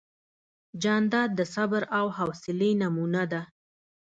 جانداد د صبر او حوصلې نمونه ده.